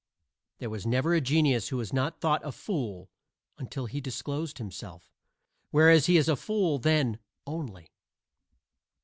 There was never a genius who was not thought a fool until he disclosed himself; whereas he is a fool then only.